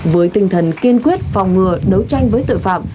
với tinh thần kiên quyết phòng ngừa đấu tranh với tội phạm